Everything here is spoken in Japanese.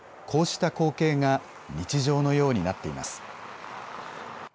こうした光景が日常のようになっています。